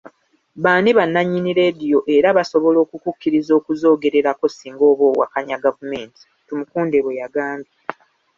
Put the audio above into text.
"Baani bannannyini leediyo era basobola okukukkiriza okuzoogererako singa oba owakanya gavuumenti,” Tumukunde bwe yagambye.